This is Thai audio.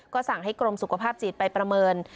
สั่งให้กรมสุขภาพจิตไปประเมิน